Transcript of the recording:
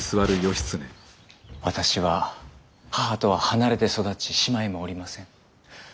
私は母とは離れて育ち姉妹もおりません。